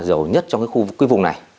giàu nhất trong cái vùng này